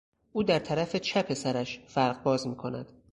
او در طرف چپ سرش فرق باز میکند.